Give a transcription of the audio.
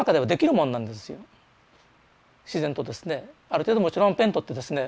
ある程度もちろんペンとってですね